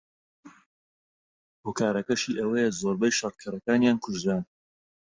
هۆکارەکەشەی ئەوەیە زۆربەی شەڕکەرەکانیان کوژران